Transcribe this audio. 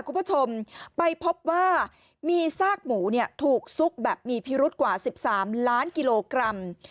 คุณผู้ชมไปพบว่ามีซากหมูเนี่ยถูกซุกแบบมีพิรุษกว่า๑๓ล้านกิโลกรัม